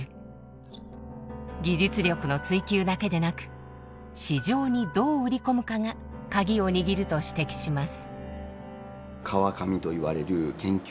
技術力の追求だけでなく市場にどう売り込むかがカギを握ると指摘します。